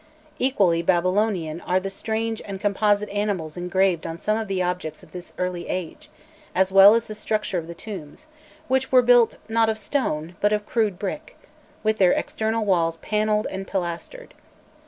Equally Babylonian are the strange and composite animals engraved on some of the objects of this early age, as well as the structure of the tombs, which were built, not of stone, but of crude brick, with their external walls panelled and pilastered.